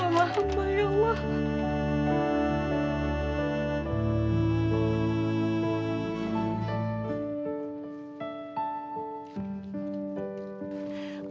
allah mahammah ya allah